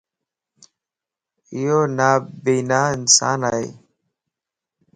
ايونابينا انسان ائي